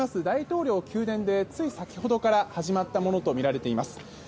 大統領宮殿でつい先ほどから始まったものとみられています。